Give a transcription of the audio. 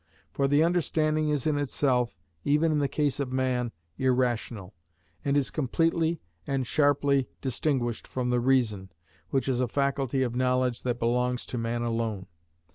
For the understanding is in itself, even in the case of man, irrational, and is completely and sharply distinguished from the reason, which is a faculty of knowledge that belongs to man alone.